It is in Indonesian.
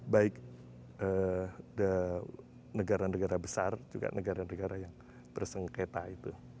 baik negara negara besar juga negara negara yang bersengketa itu